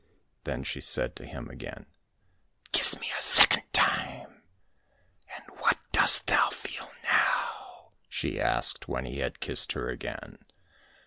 — Then she said to him again, " Kiss me a second time !"—*' And what dost thou feel now ?" she asked when he had kissed her again.